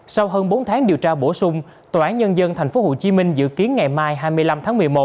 sau hơn bốn tháng điều tra bổ sung tòa án nhân dân tp hcm dự kiến ngày mai hai mươi năm tháng một mươi một